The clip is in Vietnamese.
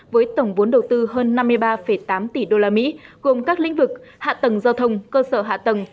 với tổng vốn đầu tư hơn năm mươi ba tám tỷ usd gồm các lĩnh vực hạ tầng giao thông cơ sở hạ tầng